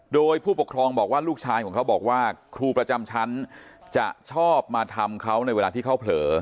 โดยผู้ปกครองบอกว่าลูกชายของเขาบอกว่าครูประจำชั้นจะชอบมาทำเขาในเวลาที่เขาเผลอ